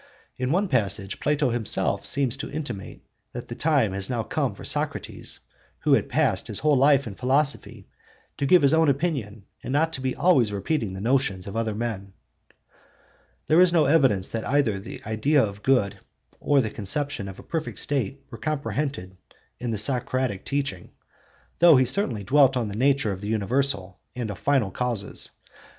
In one passage Plato himself seems to intimate that the time had now come for Socrates, who had passed his whole life in philosophy, to give his own opinion and not to be always repeating the notions of other men. There is no evidence that either the idea of good or the conception of a perfect state were comprehended in the Socratic teaching, though he certainly dwelt on the nature of the universal and of final causes (cp.